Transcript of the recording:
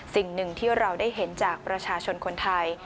สิ่งหนึ่งที่เราได้เห็นจากประชาชนคนไทย